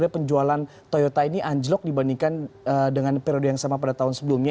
penjualan toyota ini anjlok dibandingkan dengan periode yang sama pada tahun sebelumnya